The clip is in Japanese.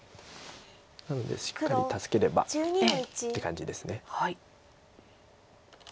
なのでしっかり助ければって感じです。